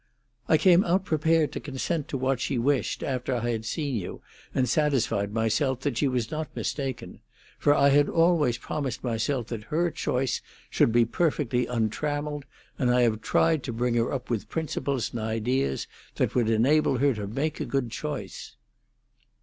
"I came out prepared to consent to what she wished, after I had seen you, and satisfied myself that she was not mistaken; for I had always promised myself that her choice should be perfectly untrammelled, and I have tried to bring her up with principles and ideas that would enable her to make a good choice."